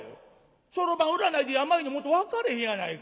そろばん占いで病の元分かれへんやないか。